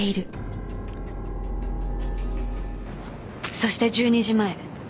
そして１２時前。